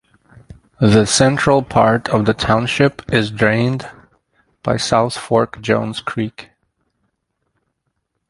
The central part of the township is drained by South Fork Jones Creek.